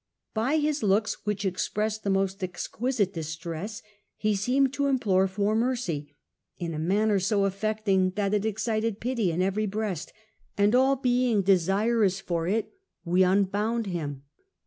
By his looks, which expressed the most exquisite distress, he seemed to implore for mercy, in a manner so affecting that it excited pity in every breast, and all being desirous for it we unbound him.